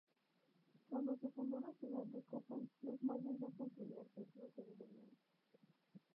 Cuando se fundó la ciudad de Copán, los Mayas ya construían templos ceremoniales.